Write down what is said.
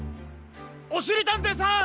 おしりたんていさん！